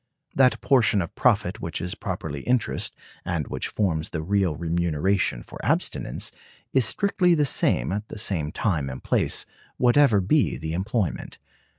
That portion of profit which is properly interest, and which forms the real remuneration for abstinence, is strictly the same at the same time and place, whatever be the employment.